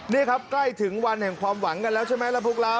นี่ครับใกล้ถึงวันแห่งความหวังกันแล้วใช่ไหมแล้วพวกเรา